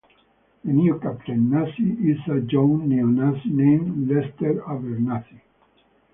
The new Captain Nazi is a young Neo-Nazi named Lester Abernathy.